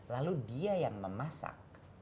lalu dia yang memasak